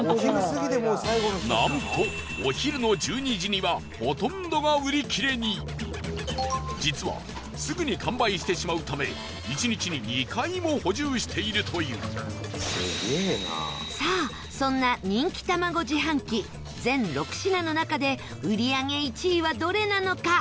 なんと、お昼の１２時にはほとんどが売り切れに実はすぐに完売してしまうため１日に２回も補充しているというさあ、そんな人気卵自販機全６品の中で売り上げ１位は、どれなのか？